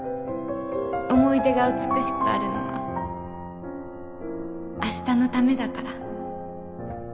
思い出が美しくあるのはあしたのためだから。